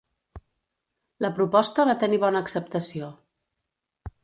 La proposta va tenir bona acceptació.